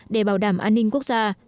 để bảo đảm an ninh quốc gia